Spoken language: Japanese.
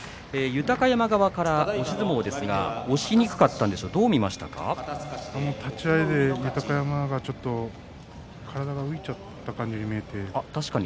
豊山側から押し相撲ですが押しにくかったんでしょうか立ち合いで豊山はちょっと体が伸びちゃったように見えて